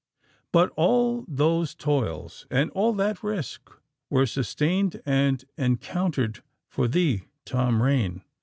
But all those toils, and all that risk, were sustained and encountered for thee, Tom Rain!